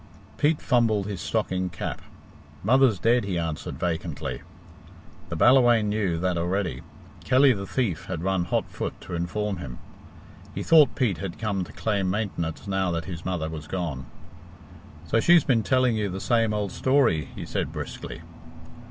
Pete fumbled his stocking cap. "Mothers dead," he answered vacantly. The Ballawhaine knew that already. Kelly the Thief had run hot foot to inform him. He thought Pete had come to claim maintenance now that his mother was gone. "So she's been telling you the same old story?" he said briskly.